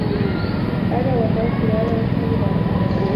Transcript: أنا وتوم كلانا مشغولان